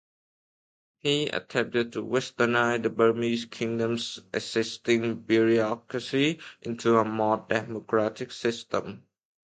He attempted to westernise the Burmese kingdom's existing bureaucracy into a more democratic system.